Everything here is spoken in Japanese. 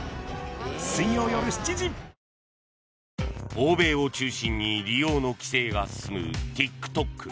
欧米を中心に利用の規制が進むＴｉｋＴｏｋ。